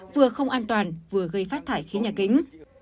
vừa không an toàn vừa gây phát thải khí nhà kính